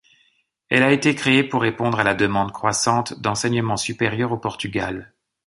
Elle a été créée pour répondre à la demande croissante d’enseignement supérieur au Portugal.